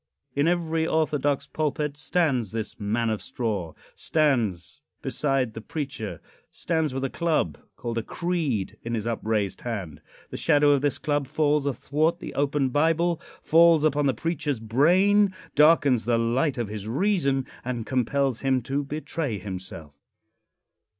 In every orthodox pulpit stands this man of straw stands beside the preacher stands with a club, called a "creed," in his upraised hand. The shadow of this club falls athwart the open Bible falls upon the preacher's brain, darkens the light of his reason and compels him to betray himself.